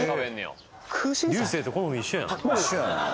流星と好み一緒やん一緒やな